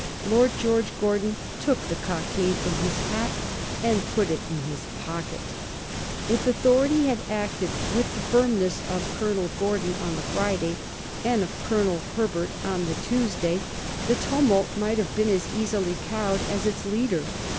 Lord George Gordon took the cockade from his hat and put it in his pocket. If authority had acted with the firmness of Colonel Gordon on the Friday and of Colonel Herbert on the Tuesday, the tumult might have been as easily cowed as its leader.